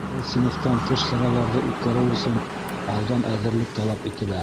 Был синыфтан тыш сараларҙы үткәреү өсөн алдан әҙерлек талап ителә.